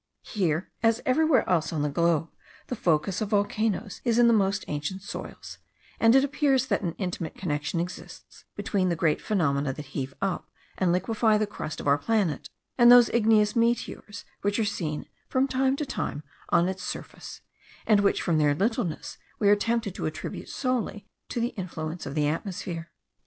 Here, as everywhere else on the globe, the focus of volcanoes is in the most ancient soils; and it appears that an intimate connection exists between the great phenomena that heave up and liquify the crust of our planet, and those igneous meteors which are seen from time to time on its surface, and which from their littleness we are tempted to attribute solely to the influence of the atmosphere.